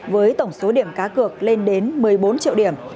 với tổng số điểm cá cược lên đến một mươi bốn triệu điểm